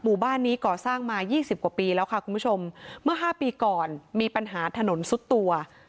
หมู่บ้านนี้ก่อสร้างมายี่สิบกว่าปีแล้วค่ะคุณผู้ชมเมื่อห้าปีก่อนมีปัญหาถนนซุดตัว